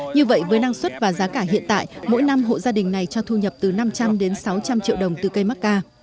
như vậy với năng suất và giá cả hiện tại mỗi năm hộ gia đình này cho thu nhập từ năm trăm linh đến sáu trăm linh triệu đồng từ cây mắc ca